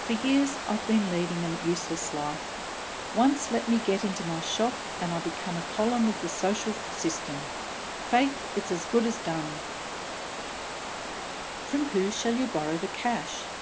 For years I've been leading a useless life; once let me get into my shop, and I become a column of the social system. Faith, it's as good as done!" "From whom shall you borrow the cash?"